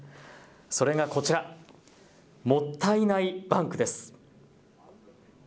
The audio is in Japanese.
それがこちら、もったいないバンクです。